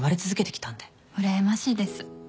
うらやましいです。